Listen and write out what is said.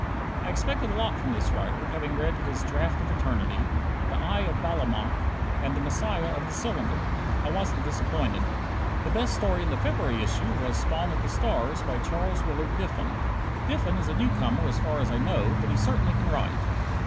I expected a lot from this writer, having read his "Draft of Eternity," "The Eye of Balamok" and "The Messiah of the Cylinder." I wasn't disappointed. The best story in the February issue was "Spawn of the Stars," by Charles Willard Diffin. Diffin is a newcomer as far as I know, but he certainly can write.